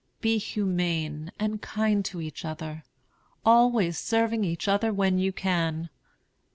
Be humane and kind to each other, always serving each other when you can.